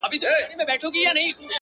چي سُجده پکي؛ نور په ولاړه کيږي؛